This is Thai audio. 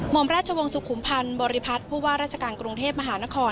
อมราชวงศ์สุขุมพันธ์บริพัฒน์ผู้ว่าราชการกรุงเทพมหานคร